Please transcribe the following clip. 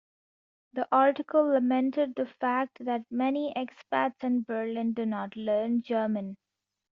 The article lamented the fact that many expats in Berlin do not learn German.